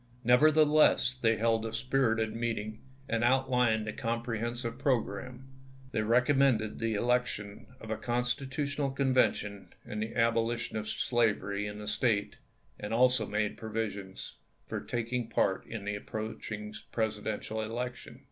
Nevertheless, they held a spirited meeting, and outlined a comprehensive progi'amme. They recommended the election of a Constitutional Convention and the abolition of slavery in the State, and also made provision for taking part in the approaching Presidential election.